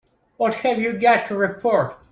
What have you got to report?